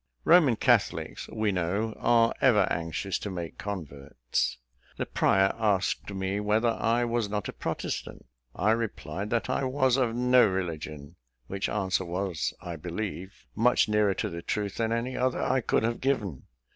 Roman Catholics, we know, are ever anxious to make converts. The prior asked me whether I was not a protestant? I replied, that I was of no religion; which answer was, I believe, much nearer to the truth than any other I could have given.